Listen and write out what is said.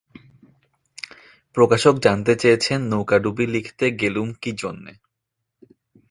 প্রকাশক জানতে চেয়েছেন নৌকাডুবি লিখতে গেলুম কী জন্যে।